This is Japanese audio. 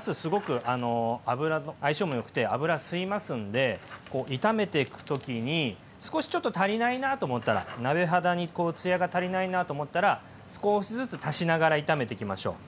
すごく油と相性もよくて油吸いますんで炒めていく時に少しちょっと足りないなと思ったら鍋肌にツヤが足りないなと思ったら少しずつ足しながら炒めていきましょう。